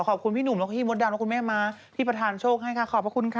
ขอบคุณพี่หนุ่มแล้วก็พี่มดดำและคุณแม่ม้าที่ประธานโชคให้ค่ะขอบพระคุณค่ะ